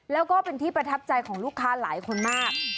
แล้วก็เป็นที่ประทับใจของลูกค้าหลายคนมาก